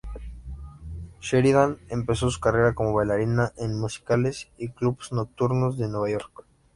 Sheridan empezó su carrera como bailarina en musicales y clubes nocturnos de Nueva York.